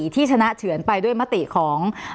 ที่ชนะเฉือนไปด้วยมติของ